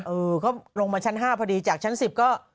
เออเขาลงมาชั้น๕พอดีจากชั้น๑๐ก็